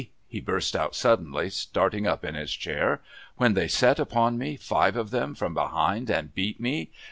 he burst out suddenly, starting up in his chair. "When they set upon me, five of them, from behind and beat me!